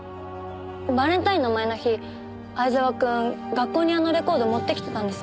バレンタインの前の日藍沢くん学校にあのレコード持ってきてたんです。